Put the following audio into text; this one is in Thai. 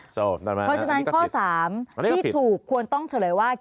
เพราะฉะนั้นข้อ๓ที่ถูกควรต้องเฉลยว่า